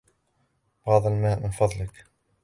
بعض الماء، من فضلك